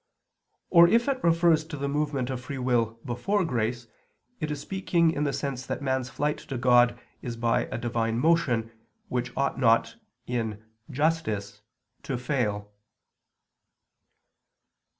Or if it refers to the movement of free will before grace, it is speaking in the sense that man's flight to God is by a Divine motion, which ought not, in justice, to fail.